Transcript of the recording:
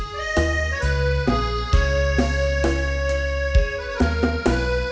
เพลง